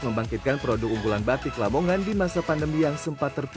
masih pun di waktu pandemi ini